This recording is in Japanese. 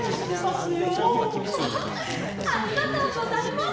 わあありがとうございます。